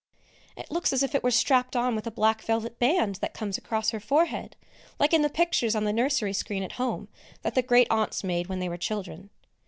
It looks as if it were strapped on with a black velvet band that comes across her forehead, like in the pictures on the nursery screen at home that the Great aunts made when they were children.